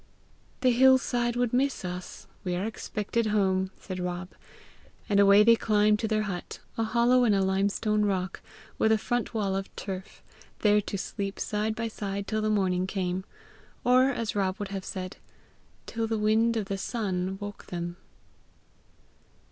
"The hill side would miss us; we are expected home!" said Rob and away they climbed to their hut, a hollow in a limestone rock, with a front wall of turf, there to sleep side by side till the morning came, or, as Rob would have said, "till the wind of the sun woke them."